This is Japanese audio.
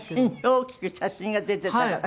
大きく写真が出てたから。